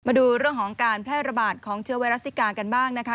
มาดูเรื่องของการแพร่ระบาดของเชื้อไวรัสซิกากันบ้างนะคะ